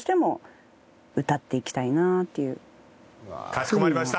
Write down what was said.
「かしこまりました！」